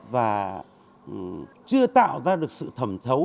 và chưa tạo ra được sự thẩm thấu